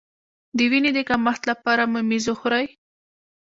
د وینې د کمښت لپاره ممیز وخورئ